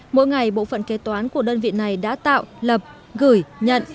mỗi ngày bộ phận kế toán của đơn vị này đã tạo lập gửi nhận